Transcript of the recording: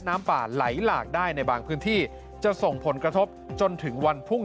น้ำป่าไหลหลากได้ในบางพื้นที่จะส่งผลกระทบจนถึงวันพรุ่ง